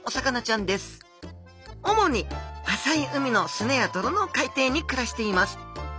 主に浅い海の砂や泥の海底に暮らしています。